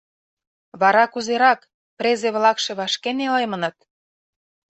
— Вара кузерак, презе-влакше вашке нелемыныт?